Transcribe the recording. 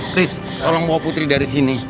chris tolong bawa putri dari sini